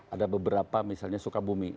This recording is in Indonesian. ada beberapa misalnya sukabumi